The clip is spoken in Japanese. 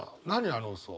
あの嘘。